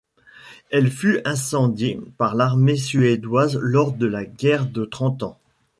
Elle fut incendiée par l'armée suédoise lors de la Guerre de Trente Ans.